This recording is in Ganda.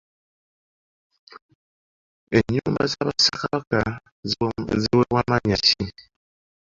Enyumba za Bassekabaka ziweebwa mannya ki?